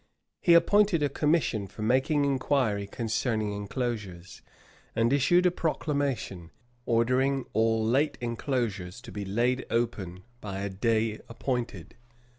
He appointed a commission for making inquiry concerning enclosures; and issued a proclamation, ordering all late enclosures to be laid open by a day appointed.